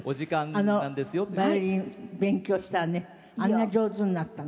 あのバイオリン勉強したらねあんな上手になったの。